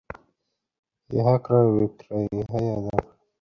ইহাই ক্রয়-বিক্রয়, ইহাই আদানপ্রদান।